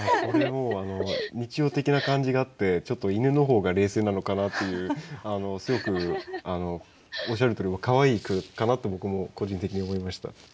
これもうあの日常的な感じがあってちょっと犬の方が冷静なのかなっていうすごくおっしゃるとおりかわいい句かなと僕も個人的に思いました。